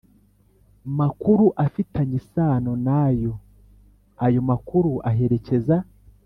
Makuru afitanye isano na yo ayo makuru aherekeza